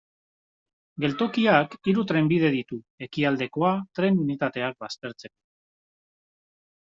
Geltokiak hiru trenbide ditu, ekialdekoa tren unitateak baztertzeko.